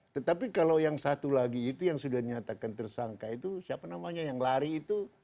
tetapi kalau yang satu lagi itu yang sudah dinyatakan tersangka itu siapa namanya yang lari itu